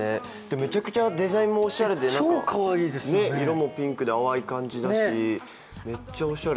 めちゃくちゃデザインもおしゃれで色もピンクで淡い感じだしめっちゃおしゃれ。